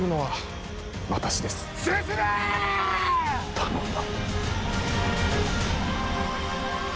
頼んだ。